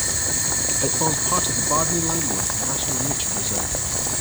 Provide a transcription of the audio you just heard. It forms part of the Bardney Limewoods National Nature Reserve.